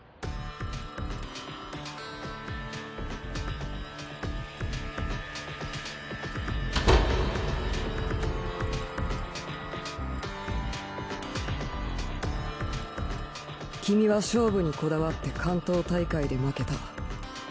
幸村：君は勝負にこだわって関東大会で負けた。